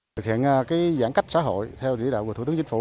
thực hiện giãn cách xã hội theo dĩ đạo của thủ tướng chính phủ